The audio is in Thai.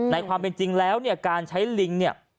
ในความเป็นจริงแล้วการใช้ลิง